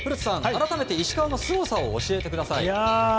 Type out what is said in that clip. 改めて石川のすごさを教えてください。